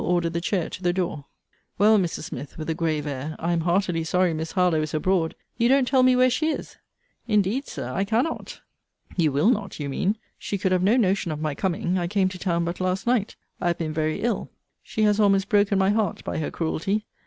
order the chair to the door. Well, Mrs. Smith, with a grave air, I am heartily sorry Miss Harlowe is abroad. You don't tell me where she is? Indeed, Sir, I cannot. You will not, you mean. She could have no notion of my coming. I came to town but last night. I have been very ill. She has almost broken my heart by her cruelty.